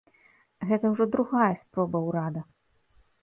Гэта ўжо другая спроба ўрада.